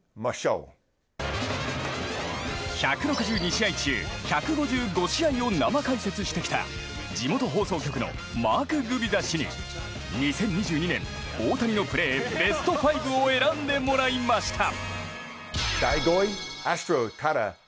１６２試合中１５５試合を生解説してきた地元放送局のマーク・グビザ氏に２０２２年、大谷のプレーベスト５を選んでもらいました。